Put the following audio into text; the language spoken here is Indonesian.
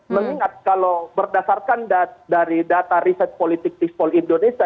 mengingat kalau berdasarkan dari data riset politik dispol indonesia